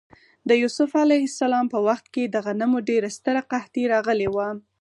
د یوسف ع په وخت کې د غنمو ډېره ستره قحطي راغلې وه.